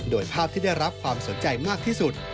โดยภาพที่ได้รับความสนใจมากที่สุด